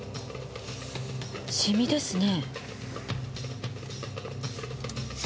シミですね。